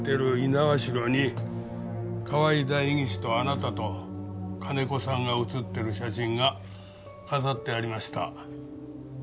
猪苗代に河合代議士とあなたと金子さんが写ってる写真が飾ってありました。